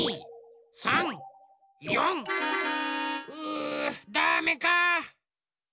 うダメか。